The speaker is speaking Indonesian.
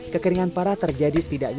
jadi ini akan sebagus cupang